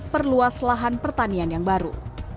perluas lahan pertanian yang baru